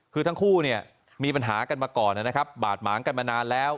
คือทั้งคู่มีปัญหากันมาก่อนบาดหมางกันมานานแล้ว